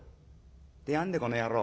「てやんでこの野郎。